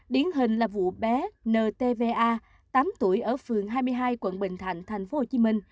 điển hình là vụ bé ntva tám tuổi ở phường hai mươi hai quận bình thạnh tp hcm